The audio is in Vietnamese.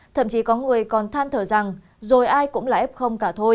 thậm chí có người còn than thở rằng rồi ai cũng là ép không